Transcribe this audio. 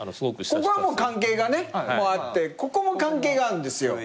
ここはもう関係があってここも関係があるんですよ。